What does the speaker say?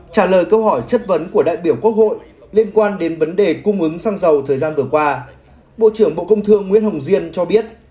trả lời câu hỏi chất vấn của đại biểu quốc hội liên quan đến vấn đề cung ứng xăng dầu thời gian vừa qua bộ trưởng bộ công thương nguyễn hồng diên cho biết